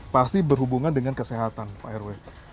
pasti berhubungan dengan kesehatan pak rw